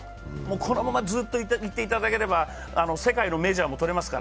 このままずっといっていただければ世界のメジャーが取れますから。